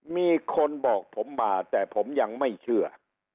มีคนบอกผมมาแต่ผมยังไม่เชื่อ